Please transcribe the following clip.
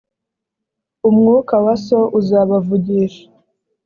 umwuka wa so uzabavugisha